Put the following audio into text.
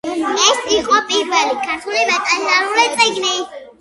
ეს იყო პირველი ქართული ვეტერინარული წიგნი.